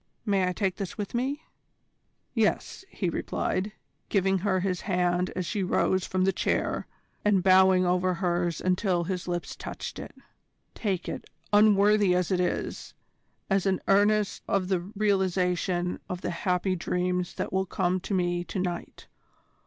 May I take this with me?" "Yes," he replied, giving her his hand as she rose from her chair, and bowing over hers until his lips touched it. "Take it, unworthy as it is, as an earnest of the realisation of the happy dreams that will come to me to night.